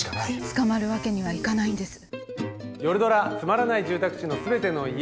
捕まるわけにはいかないんです。